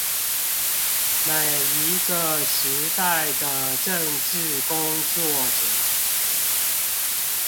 每一個時代的政治工作者